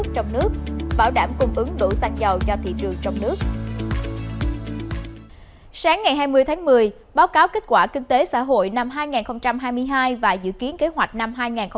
sáng ngày hai mươi tháng một mươi báo cáo kết quả kinh tế xã hội năm hai nghìn hai mươi hai và dự kiến kế hoạch năm hai nghìn hai mươi